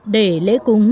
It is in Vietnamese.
để lễ cúng